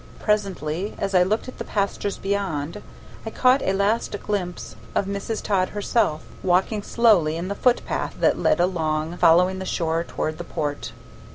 Presently, as I looked at the pastures beyond, I caught a last glimpse of Mrs. Todd herself, walking slowly in the footpath that led along, following the shore toward the Port.